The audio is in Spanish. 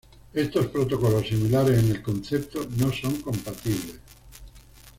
Estos protocolos, similares en el concepto, no son compatibles.